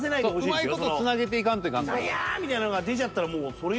うまい事つなげていかんといかん。